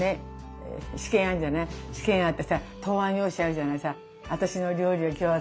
試験あってさ答案用紙あるじゃないさ。